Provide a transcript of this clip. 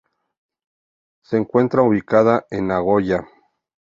Se encuentra ubicada en Nagoya.